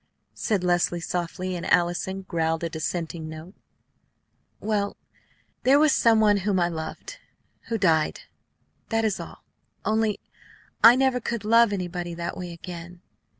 said Leslie softly; and Allison growled a dissenting note. "Well there was some one whom I loved who died. That is all; only I never could love anybody that way again.